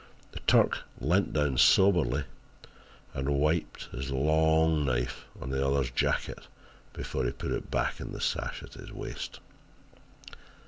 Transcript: The Turk leant down soberly and wiped his long knife on the other's jacket before he put it back in the sash at his waist.